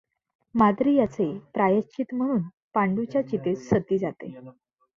माद्री याचे प्रायश्चित्त म्हणून पांडूच्या चितेत सती जाते.